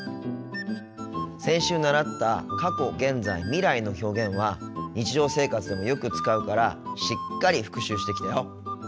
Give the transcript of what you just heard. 先週習った過去・現在・未来の表現は日常生活でもよく使うからしっかり復習してきたよ。